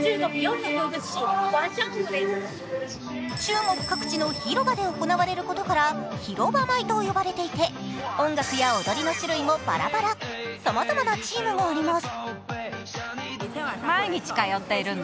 中国各地の広場で行われることから広場舞と呼ばれていて音楽や踊りの種類もバラバラさまざまなチームがあります。